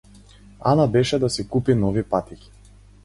Ана беше да си купи нови патики.